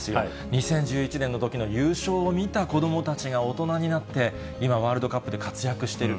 ２０１１年のときの優勝を見た子どもたちが大人になって、今、ワールドカップで活躍している。